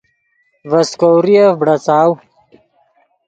ڤے سیکوریف بڑیڅاؤ